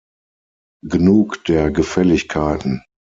Genug der Gefälligkeiten.